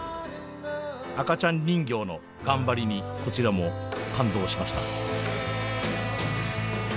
赤ちゃん人形の頑張りにこちらも感動しました。